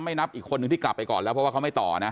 นับอีกคนนึงที่กลับไปก่อนแล้วเพราะว่าเขาไม่ต่อนะ